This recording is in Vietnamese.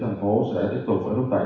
thành phố sẽ tiếp tục rút tẩy